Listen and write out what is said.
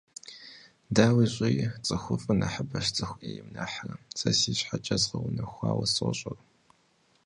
Дауи щӏыи, цӏыхуфӏыр нэхъыбэщ цӏыху ӏейм нэхъырэ, сэ си щхьэкӏэ згъэунэхуауэ сощӏэр.